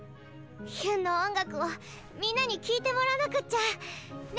ヒュンの音楽をみんなに聴いてもらわなくっちゃ。ね？